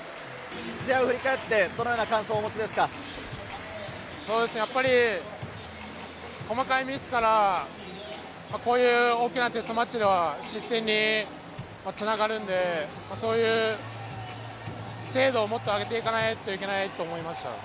試合を振り返って、細かいミスから、こういう大きなテストマッチでは失点につながるんで、精度をもっと上げていかないといけないと思いました。